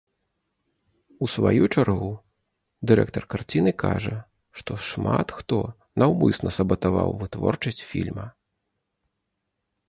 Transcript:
У сваю чаргу, дырэктар карціны кажа, што шмат хто наўмысна сабатаваў вытворчасць фільма.